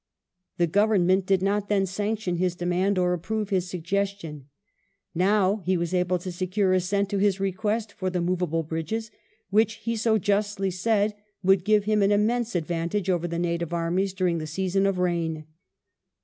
The Government did not then sanction his demand or approve his suggestion. Now he was able to secure assent to his request for the movable bridges, which, he so justly said, would give him an immense advan tage over the native armies during the season of rain.